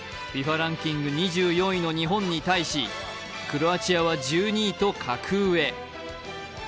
ランキング２４位の日本に対し、クロアチアは１２位と格上。